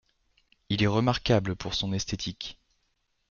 Il est remarquable pour son esthétique.